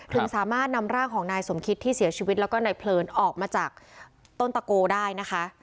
ถึงสามารถนำร่างของนายสมคิตที่เสียชีวิตแล้วก็นายเพลินออกมาจากต้นตะโกได้นะคะ